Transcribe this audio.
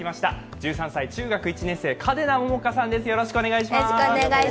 １３歳中学１年生、嘉手納杏果さんです。